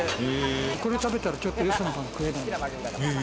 これ食べたら、ちょっと、よそのパン食えない。